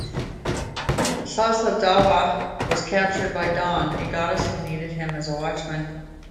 Sosondowah was captured by Dawn, a goddess who needed him as a watchman.